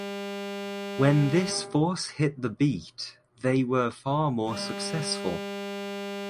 When this force hit the beat they were far more successful.